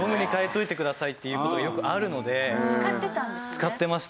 使ってました。